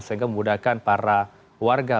sehingga memudahkan para warga